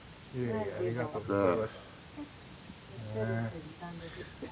いやいやありがとうございました。